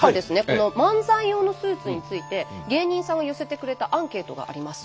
この漫才用のスーツについて芸人さんが寄せてくれたアンケートがあります。